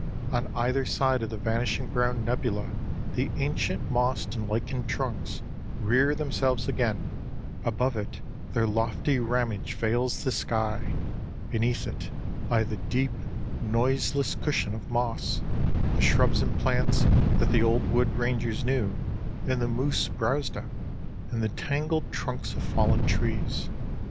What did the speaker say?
On either side of the vanishing brown nebula the ancient mossed and lichened trunks rear themselves again, above it their lofty ramage veils the sky, beneath it lie the deep, noiseless cushion of moss, the shrubs and plants that the old wood rangers knew and the moose browsed on, and the tangled trunks of fallen trees.